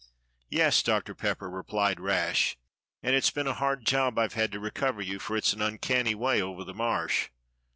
"Yes, Doctor Pepper," replied Rash, "and it's been a hard job I've had to recover you, for it's an uncanny way over the Marsh."